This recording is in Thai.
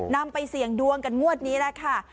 นำไปเสี่ยงดวงกันงวดนี้แหละค่ะ